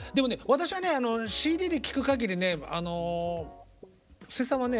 私はねＣＤで聴くかぎりね布施さんはね